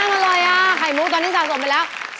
ผ่านความอะไรไข่มูตอนนี้สะสมไปแล้ว๒๕๐๐๐บาท